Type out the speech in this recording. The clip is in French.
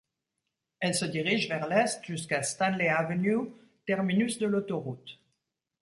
Elle se dirige vers l'est jusqu'à Stanley Ave., terminus de l'autoroute.